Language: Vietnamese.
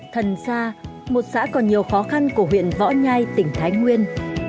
thần sa một xã còn nhiều khó khăn của huyện võ nhai tỉnh thái nguyên